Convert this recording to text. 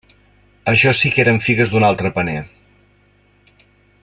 Això sí que eren figues d'un altre paner!